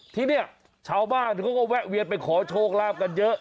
ที่นี่ชาวบ้านเขาก็แวะเวียนไปขอโชคลาภกันเยอะ